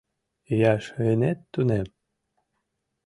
— Ияш ынет тунем?